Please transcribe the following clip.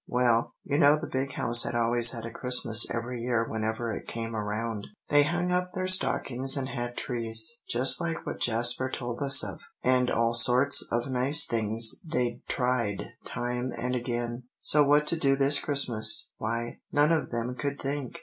"Well, you know the Big House had always had a Christmas every year whenever it came around; they had hung up their stockings and had trees, just like what Jasper told us of; and all sorts of nice things they'd tried time and again, so what to do this Christmas, why, none of them could think.